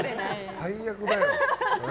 最悪だよ。